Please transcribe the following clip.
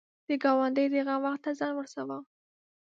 د ګاونډي د غم وخت ته ځان ورسوه